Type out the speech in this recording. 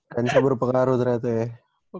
lensa berpengaruh ternyata ya